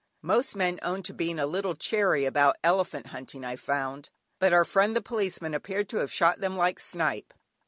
Most men own to being a little chary about elephant hunting I found, but our friend the Policeman appeared to have shot them like snipe.